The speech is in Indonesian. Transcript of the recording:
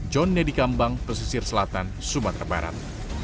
john nedi kambang pesisir selatan sumatera barat